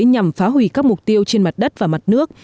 nhằm phá hủy các mục tiêu trên mặt đất và mặt nước